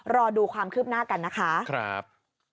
รอดูความคืบหน้ากันนะคะ